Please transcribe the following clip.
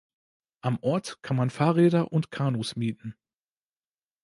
Am Ort kann man Fahrräder und Kanus mieten.